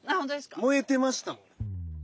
燃えてましたもん。